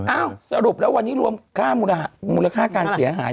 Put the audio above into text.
สรุปแล้ววันนี้รวมค่ามูลค่าการเสียหาย